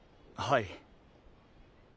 はい。